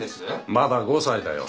まだ５歳だよ